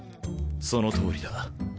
そのとおりだ。